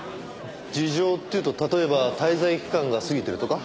事情っていうと例えば滞在期間が過ぎてるとか？